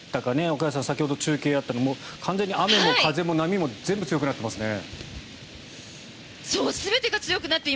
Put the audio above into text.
岡安さん、先ほど中継をやって雨も風も波も全部強くなってますね。